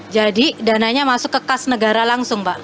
jadi dananya masuk ke kas negara langsung pak